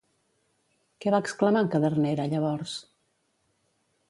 Què va exclamar en Cadernera llavors?